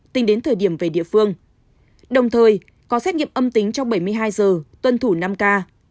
tính đến thời điểm về địa phương đồng thời có xét nghiệm âm tính trong bảy mươi hai giờ tuân thủ năm ca